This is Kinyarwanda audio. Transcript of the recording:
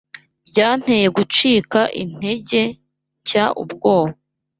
Byanteye gucika intege nshya ubwoba